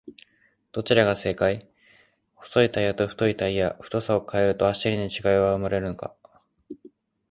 どちらが正解!?細いタイヤと太いタイヤ、太さを変えると走りに違いは生まれるのか？